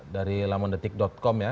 dari lamondetik com ya